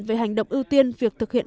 về hành động ưu tiên việc thực hiện